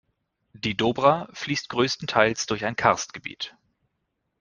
Die Dobra fließt größtenteils durch ein Karstgebiet.